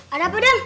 ada apa dem